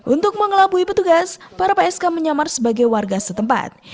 untuk mengelabui petugas para psk menyamar sebagai warga setempat